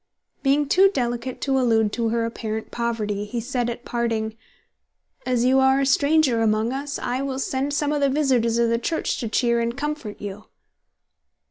Being too delicate to allude to her apparent poverty, he said at parting, "As you are a stranger among us, I will send some of the visitors of the church to cheer and comfort you."